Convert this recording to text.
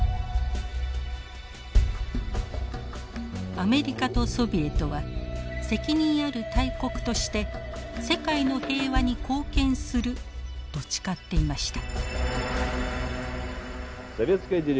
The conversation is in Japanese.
アメリカとソビエトは責任ある大国として世界の平和に貢献すると誓っていました。